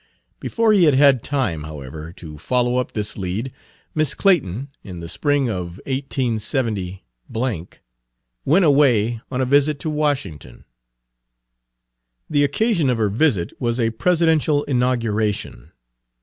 Before he had had time, however, to follow up this lead, Miss Clayton, in the spring of 187 , went away on a visit to Washington. The occasion of her visit was a presidential inauguration.